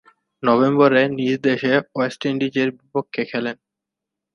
নভেম্বরে নিজ দেশে ওয়েস্ট ইন্ডিজের বিপক্ষে খেলেন।